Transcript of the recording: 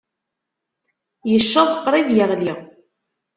Yecceḍ qrib yeɣli.